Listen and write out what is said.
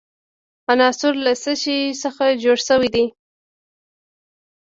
عنصر له څه شي څخه جوړ شوی دی.